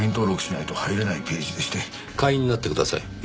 会員になってください。